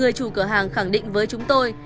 ví dụ công ty của cháu này